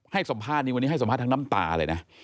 ให้สัมภาษณ์นี้วันนี้ให้สัมภาษณ์ทั้งน้ำตาเลยนะ